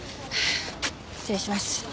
失礼します。